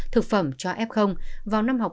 thực phẩm cho f vào năm học